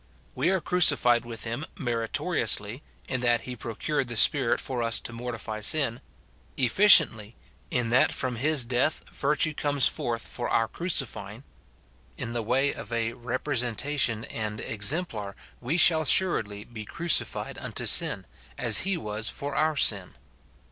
We are crucified with him meritoriously, in that he procured the Spirit for us to mortify sin ; efficiently, in that from hid death virtue comes forth for our crucifying ; in the way of a representation and exemplar we shall assuredly be crucified unto sin, as he was for our sin.